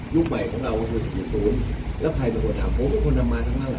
ยุคใหม่ของเราก็คือ๑๐แล้วใครต้องอำนาจพวกมันนำมาทำอะไร